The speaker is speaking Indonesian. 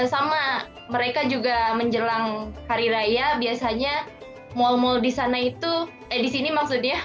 sama mereka juga menjelang hari raya biasanya mal mal di sana itu eh di sini maksudnya